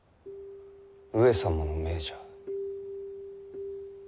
上様の命じゃ。